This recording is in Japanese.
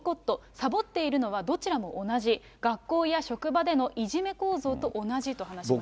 さぼっているのはどちらも同じ、学校や職場でのいじめ構造と同じと話しました。